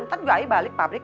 ntar gaya balik pabrik